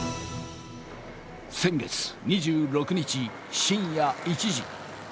先月２６日深夜１時。